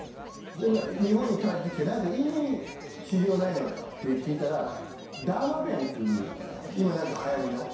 日本に帰って来て「何かいい治療ないの？」って聞いたらダーマペンっていう今はやりの。